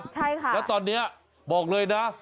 และตอนนี้บอกเลยนะ